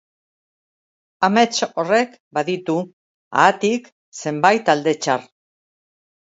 Amets horrek baditu, haatik, zenbait alde txar.